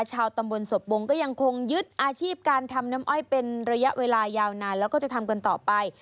ชาวตำบลสบงก็ยังคงยึดอาชีพการทำน้ำอ้อยเป็นระยะเวลายาวนานแล้วก็จะทำกันต่อไป